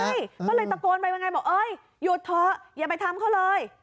ใช่ก็เลยตะโกนไปว่าไงบอกเอ้ยหยุดเถอะอย่าไปทำเขาเลย